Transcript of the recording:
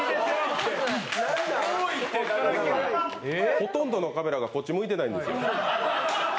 ほとんどのカメラがこっち向いてないです。